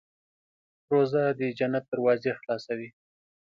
روژه د جنت دروازې خلاصوي.